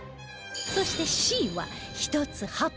そして Ｃ は１つ８００円